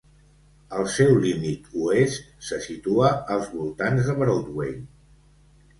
El seu límit oest se situa als voltants de Broadway.